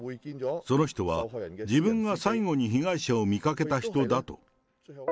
その人は、自分が最後に被害者を見かけた人だと。